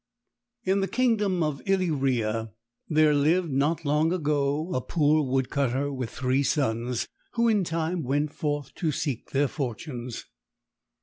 In the kingdom of Illyria there lived, not long ago, a poor wood cutter with three sons, who in time went forth to seek their fortunes.